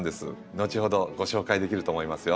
後ほどご紹介できると思いますよ。